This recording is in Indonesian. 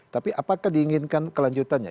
tapi apakah diinginkan kelanjutannya